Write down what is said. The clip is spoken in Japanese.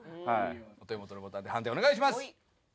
お手元のボタンで判定お願いします。